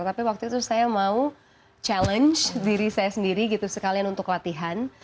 tapi waktu itu saya mau challenge diri saya sendiri gitu sekalian untuk latihan